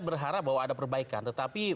berharap bahwa ada perbaikan tetapi